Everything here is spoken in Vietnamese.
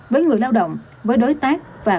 với người lao động với đối tác và với xã hội